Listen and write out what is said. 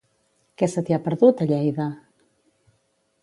Què se t'hi ha perdut, a Lleida?